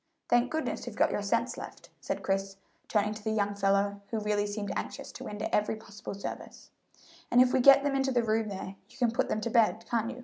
"Thank goodness you've got your senses left," said Chris, turning to the young fellow, who really seemed anxious to render every possible service; "and if we get them into the room there you can put them to bed, can't you?